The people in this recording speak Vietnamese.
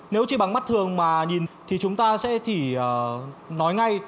nếu chỉ bằng mắt thường mà nhìn thì chúng ta sẽ chỉ nói ngay